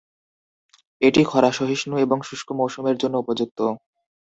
এটি খরাসহিষ্ণু এবং শুষ্ক মৌসুমের জন্য উপযুক্ত।